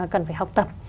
cần phải học tập